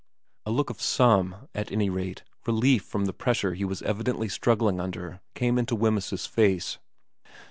A look of some, at any rate, relief from the pressure he was evidently struggling under came into Wemyss's face.